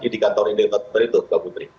di kantor indikator itu mbak putri